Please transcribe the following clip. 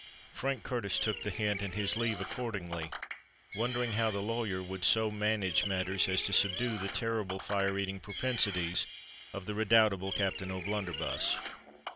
Frank Curtis took the hint and his leave accordingly, wondering how the lawyer would so manage matters as to subdue the terrible fire eating propensities of the redoubtable Captain O'Blunderbuss.